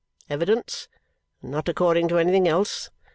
evidence, and not according to anything else.